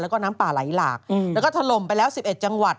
แล้วก็น้ำป่าไหลหลากแล้วก็ถล่มไปแล้ว๑๑จังหวัด